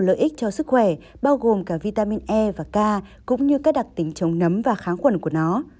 lợi ích cho sức khỏe bao gồm cả vitamin e và k cũng như các đặc tính chống nấm và kháng khuẩn của nó